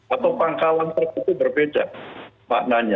atau pangkalan tertentu berbeda maknanya